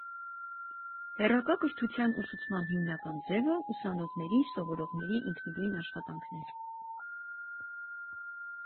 Հեռակա կրթության ուսուցման հիմնական ձևը ուսանողների (սովորողների) ինքնուրույն աշխատանքն է։